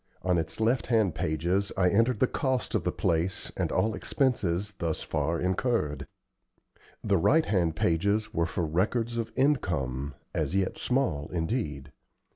On its left hand pages I entered the cost of the place and all expenses thus far incurred. The right hand pages were for records of income, as yet small indeed.